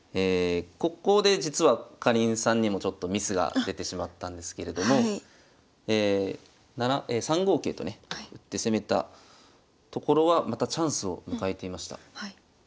ここで実はかりんさんにもちょっとミスが出てしまったんですけれども３五桂とね打って攻めたところはまたチャンスを迎えていました。